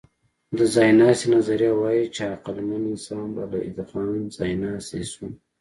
د ځایناستي نظریه وايي، چې عقلمن انسان بې له ادغام ځایناستی شو.